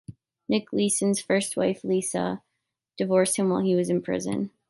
Nick Leeson's first wife Lisa divorced him while he was in prison.